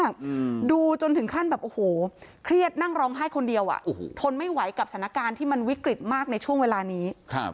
กับสถานการณ์ที่มันวิกฤตมากในช่วงเวลานี้